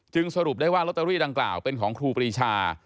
สรุปได้ว่าลอตเตอรี่ดังกล่าวเป็นของครูปรีชา